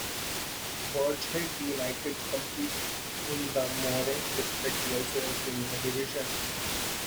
Burghead United compete in the Moray District Welfare Premier Division.